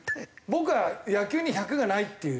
僕は野球に１００がないっていう。